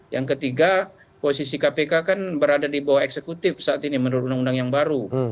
yang ketiga posisi kpk kan berada di bawah eksekutif saat ini menurut undang undang yang baru